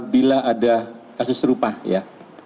bila ada kasus serupa ya